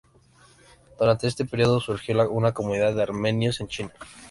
Durante este período surgió una comunidad de armenios en China.